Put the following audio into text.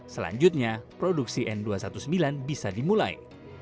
selanjutnya produksi n dua ratus sembilan belas bisa dimulai